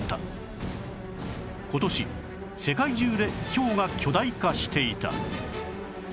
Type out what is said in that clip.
今年世界中でひょうが巨大化していた